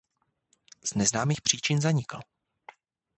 Z neznámých příčin zanikl.